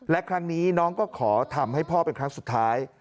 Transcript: และครั้งนี้น้องก็ขอทำให้พ่อเป็นครั้งสุดท้าย